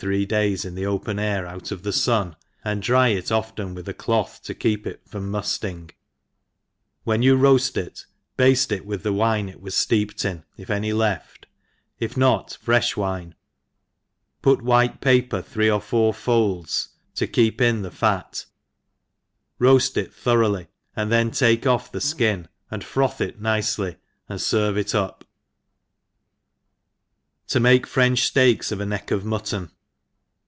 three days in 5 ' ^J^« ENGLISH HOUSE KEEPER. 103 die open air out of the fun, and dry it often with a cloth to keep it from muftiog ; when you roaft it bafte it with the wine it was ileeped in if any left, if not, fre(h wine, put white paper three or four folds to keep in the fat, roaft it thoroughly, and then take off the fkin, and froth it nicely, and ferve it up. To make French Steaks of a Neck of Mutton.